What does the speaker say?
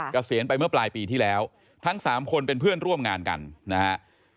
เกษียณไปเมื่อปลายปีที่แล้วทั้ง๓คนเป็นเพื่อนร่วมงานกันนะฮะ